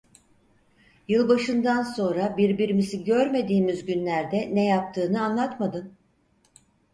Yılbaşından sonra birbirimizi görmediğimiz günlerde ne yaptığını anlatmadın!